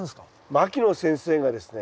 牧野先生がですね